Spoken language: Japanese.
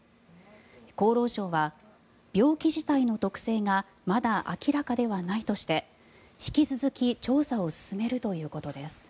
厚労省は病気自体の特性がまだ明らかではないとして引き続き調査を進めるということです。